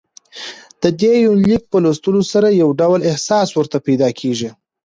ددې یونلیک په لوستلو سره يو ډول احساس ورته پېدا کېږي